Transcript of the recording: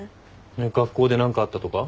学校で何かあったとか？